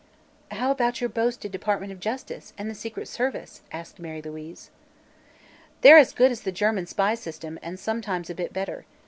"How about your boasted department of justice, and the secret service?" asked Mary Louise. "They're as good as the German spy system, and sometimes a bit better.